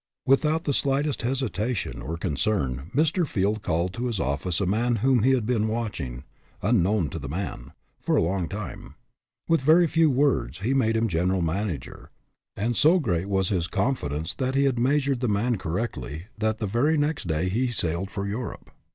Without the slightest 'hesitation or concern, Mr. Field called to his office a man whom he had been watch ing, unknown to the man, for a long time. With very few words, he made him general 192 SIZING UP PEOPLE manager. And so great was his confidence that he had measured the man correctly, that the very next day he sailed for Europe.